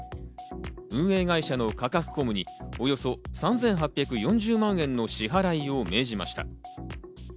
運営会社のカカクコムにおよそ３８４０万円の支払いを命じました。